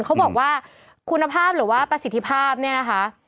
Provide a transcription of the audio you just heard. เขาบอกว่าคุณภาพหรือว่าประสิทธิภาพเนี่ยนะคะ